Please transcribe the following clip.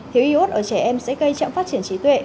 thiếu iốt ở trẻ em sẽ gây chậm phát triển trí tuệ